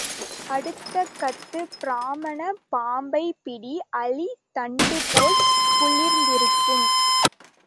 அடுத்தகத்துப் பிராம்மணா பாம்பைப் பிடி அல்லித் தண்டுபோல் குளிர்ந்திருக்கும்.